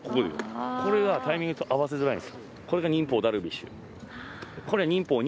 これがタイミングと合わせづらいんです。